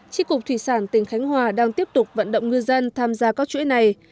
tri cục thủy sản tỉnh khánh hòa đang tiếp tục vận động ngư dân tham gia các chuỗi này